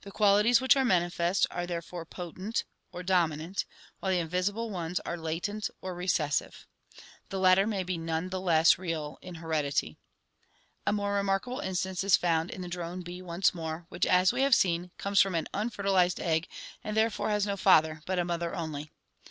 The qualities which are manifest are therefore potent or dominant, while the invisible ones are latent or recessive. The HEREDITY 147 latter may be none the less real in heredity. A more remarkable instance is found in the drone bee once more, which, as we have seen, comes from an unfertilized egg and therefore has no father but a mother only.